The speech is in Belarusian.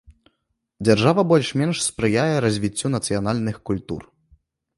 Дзяржава больш-менш спрыяе развіццю нацыянальных культур.